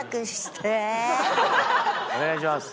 お願いします。